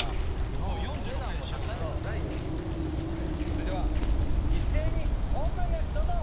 それでは一斉にオープンですどうぞ！